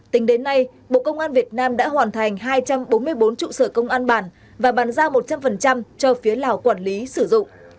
tính đến nay bộ công an việt nam đã hoàn thành hai trăm bốn mươi bốn trụ sở công an bàn và bàn giao một trăm linh cho phía lào quản lý sử dụng